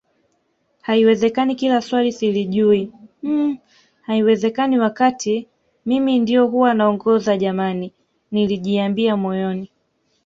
Haiwezekani kila swali silijui mmh haiwezekani wakatii Mimi ndio huwa naongoza jamani nilijiambia moyoni